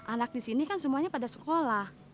anak disini kan semuanya pada sekolah